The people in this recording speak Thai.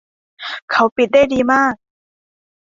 เขาปิดได้ดีมาก